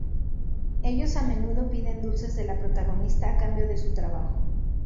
Ellos a menudo piden dulces de la protagonista a cambio de su trabajo.